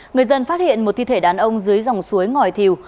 người dân phát hiện một thi thể đàn ông dưới dòng suối ngòi thiều